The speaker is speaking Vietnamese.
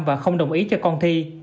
và không đồng ý cho con thi